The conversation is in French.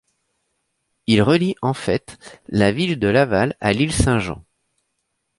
Il relie en fait la ville de Laval à l'île Saint-Jean.